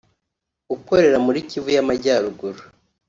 ukorera muri Kivu y’Amajyaruguru